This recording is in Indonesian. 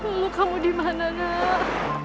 lulu kamu dimana nak